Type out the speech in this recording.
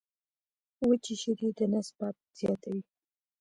وچي شیدې د نس باد زیاتوي.